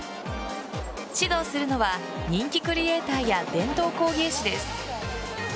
指導するのは人気クリエイターや伝統工芸士です。